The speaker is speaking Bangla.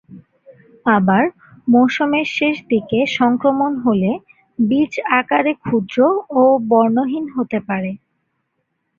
আবার, মৌসুমের শেষ দিকে সংক্রমণ হলে বীজ আকারে ক্ষুদ্র ও বর্ণহীন হতে পারে।